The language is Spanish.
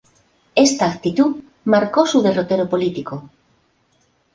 Esta actitud marcó su derrotero político.